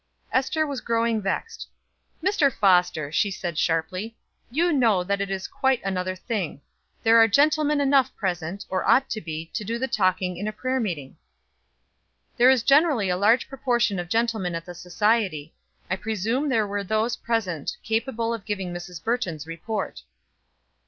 Ester was growing vexed. "Mr. Foster," she said sharply, "you know that it is quite another thing. There are gentlemen enough present, or ought to be, to do the talking in a prayer meeting." "There is generally a large proportion of gentlemen at the society. I presume there were those present capable of giving Mrs. Burton's report."